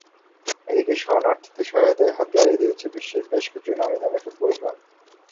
এদিকে শরণার্থীদের সহায়তায় হাত বাড়িয়ে দিয়েছে বিশ্বের বেশ কিছু নামীদামি ফুটবল ক্লাব।